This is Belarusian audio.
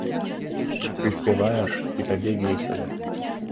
Ты спяваеш, і табе весела.